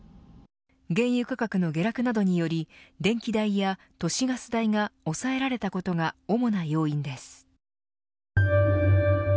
原油価格の下落などにより電気代や都市ガス代が抑えられたことが主な要因です。